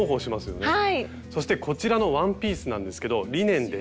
そしてこちらのワンピースなんですけどリネンです。